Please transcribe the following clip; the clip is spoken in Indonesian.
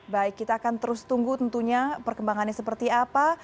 baik kita akan terus tunggu tentunya perkembangannya seperti apa